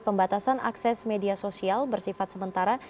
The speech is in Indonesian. pembatasan akses media sosial bersifat sementara